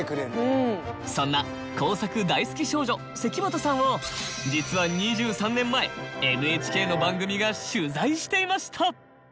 そんな工作大好き少女關本さんを実は２３年前ＮＨＫの番組が取材していました！